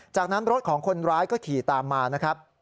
จากนั้นรถของคนร้ายก็ขี่ตามมานะครับ